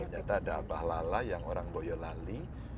ternyata ada abah lala yang orang boyolali